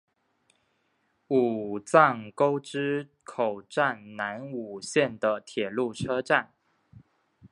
武藏沟之口站南武线的铁路车站。